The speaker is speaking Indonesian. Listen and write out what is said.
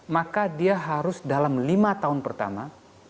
maka dia harus dalam lima tahun pertama